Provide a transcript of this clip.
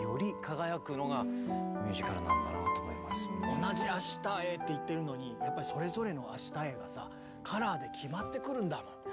同じ「明日へ」って言ってるのにやっぱりそれぞれの「明日へ」がさカラーで決まってくるんだもん。